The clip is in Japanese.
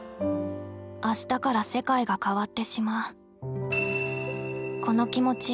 明日から世界が変わってしまう。